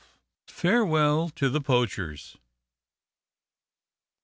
FAREWELL TO THE POACHERS.